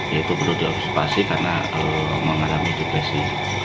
yaitu perlu diobservasi karena mengalami depresi